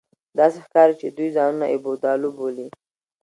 داسې ښکاري چې دوی ځانونه اېبودالو بولي